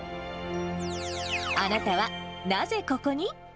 あなたはなぜここに？